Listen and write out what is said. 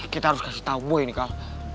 kita harus kasih tau boy nih kal